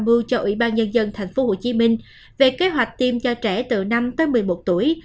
mưu cho ủy ban nhân dân tp hcm về kế hoạch tiêm cho trẻ từ năm tới một mươi một tuổi